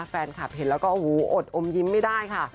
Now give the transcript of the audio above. แฟนคลับเห็นแล้วก็โอ้โหอดอมยิ้มไม่ได้ค่ะ